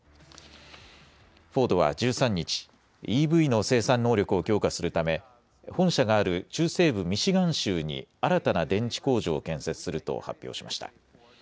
フォードは１３日、ＥＶの生産能力を強化するため本社がある中西部ミシガン州に新たな電池工場を建設すると発表しました。